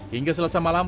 hingga selesai malam